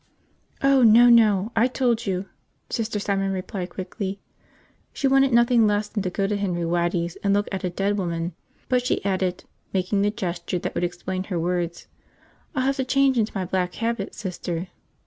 "Oh, no, no, I told you," Sister Simon replied quickly. She wanted nothing less than to go to Henry Waddy's and look at a dead woman, but she added, making the gesture that would explain her words, "I'll have to change into my black habit, Sister."